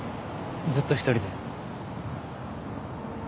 ずっと１人で。